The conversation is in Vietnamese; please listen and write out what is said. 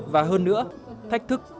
và hơn nữa thách thức